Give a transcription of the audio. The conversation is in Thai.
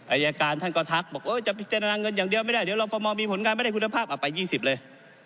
อายการท่านก็ทักบอกจะพิจารณาเงินอย่างเดียวไม่ได้เดี๋ยวรอฟมมีผลงานไม่ได้คุณภาพเอาไป๒๐เลย